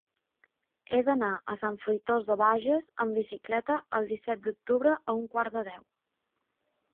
He d'anar a Sant Fruitós de Bages amb bicicleta el disset d'octubre a un quart de deu.